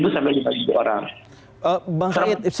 sekitar lima tiga lima orang